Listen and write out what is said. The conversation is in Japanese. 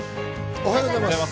おはようございます。